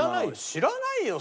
知らないよ